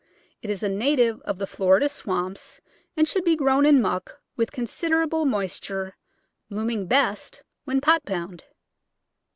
It is a native of the Florida swamps, and should be grown in muck with considerable moisture, blooming best when pot bound.